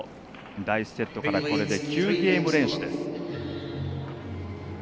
第１セットからこれで９ゲーム連取。